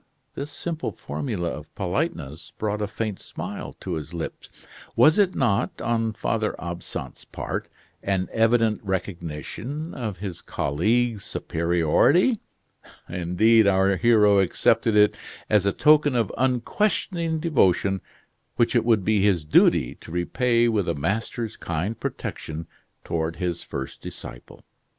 This simple formula of politeness brought a faint smile to his lips. Was it not, on Father Absinthe's part, an evident recognition of his colleague's superiority. Indeed, our hero accepted it as a token of unquestioning devotion which it would be his duty to repay with a master's kind protection toward his first disciple.